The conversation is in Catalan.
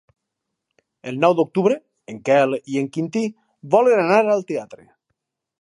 El nou d'octubre en Quel i en Quintí volen anar al teatre.